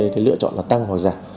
cái lựa chọn là tăng hoặc giả